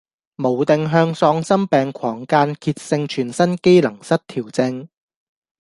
無定向喪心病狂間歇性全身機能失調症